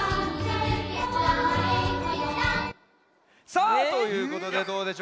さあということでどうでしょうかみなさん。